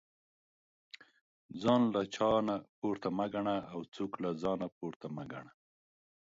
ځان له چانه پورته مه ګنه او څوک له ځانه پورته مه ګنه